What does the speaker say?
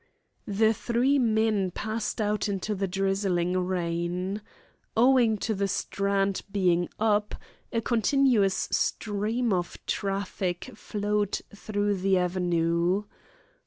The three men passed out into the drizzling rain. Owing to the Strand being "up," a continuous stream of traffic flowed through the Avenue.